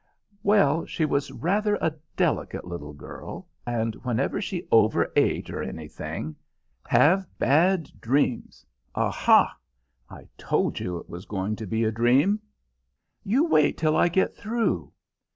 Well, she was rather a delicate little girl, and whenever she over ate, or anything, "Have bad dreams! Aha! I told you it was going to be a dream." "You wait till I get through."